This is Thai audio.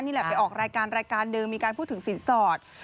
นี่แหละไปออกรายการรายการเดิมมีการพูดถึงศีลสอร์ท